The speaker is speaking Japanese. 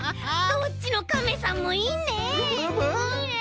どっちのカメさんもいいね。